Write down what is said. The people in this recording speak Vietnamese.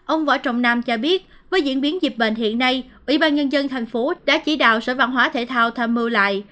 ông võ trọng nam cho biết với diễn biến dịp bệnh hiện nay ủy ban nhân dân tp đã chỉ đạo sở văn hóa thể thao tham mưu lại